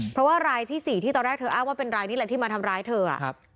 เพราะว่ารายที่สี่ที่ตอนแรกเธออ้างว่าเป็นรายนี้แหละที่มาทำร้ายเธอ